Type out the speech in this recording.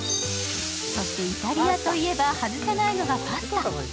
イタリアといえば外せないのがパスタ。